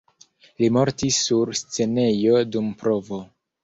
Li mortis sur scenejo dum provo.